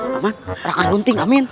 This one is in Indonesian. raman rangai runting amin